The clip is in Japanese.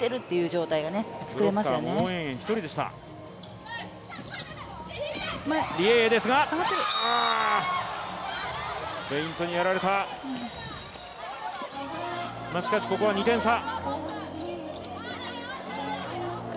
しかし、ここは２点差。